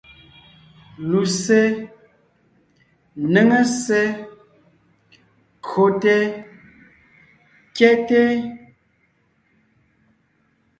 Lussé, néŋe ssé, kÿote, kyɛ́te.